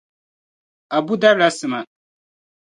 Abu darila sima.